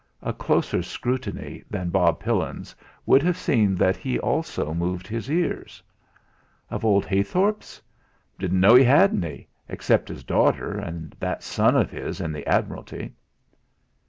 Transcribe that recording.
A closer scrutiny than Bob Pillin's would have seen that he also moved his ears. "Of old Heythorp's? Didn't know he had any, except his daughter, and that son of his in the Admiralty."